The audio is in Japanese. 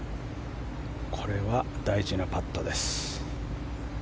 これは大事なパットです。